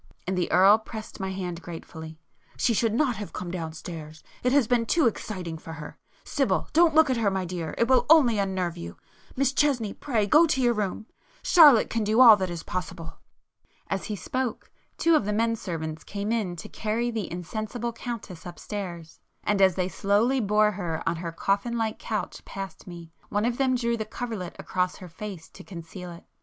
and the Earl pressed my hand gratefully—"She should not have come downstairs,—it has been too exciting for her. Sybil, don't look at her, my dear—it will only unnerve you,—Miss Chesney, pray go to your room,—Charlotte can do all that is possible——" As he spoke two of the men servants came in to carry the insensible Countess upstairs,—and as they slowly bore her [p 161] on her coffin like couch past me, one of them drew the coverlet across her face to conceal it.